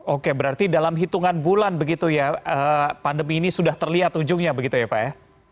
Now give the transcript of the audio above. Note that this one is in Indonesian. oke berarti dalam hitungan bulan begitu ya pandemi ini sudah terlihat ujungnya begitu ya pak ya